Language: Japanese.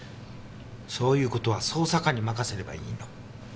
そういう事は捜査課に任せればいいの。